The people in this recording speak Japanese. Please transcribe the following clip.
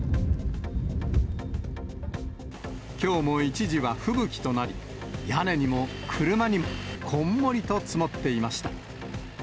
きょうも一時は吹雪となり、山にも車にもこんもりと積もっていました。